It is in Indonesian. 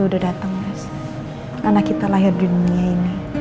udah dateng gas anak kita lahir di dunia ini